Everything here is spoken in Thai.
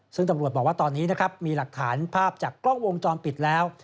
ซึ่งตำรวจบอกว่าตอนนี้นะครับมีหลักฐานภาพจากกล้องวงจรปิดแล้ว